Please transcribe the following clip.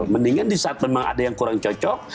mendingan di saat memang ada yang kurang cocok